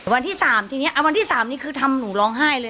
วันที่๓ทีนี้วันที่๓นี่คือทำหนูร้องไห้เลย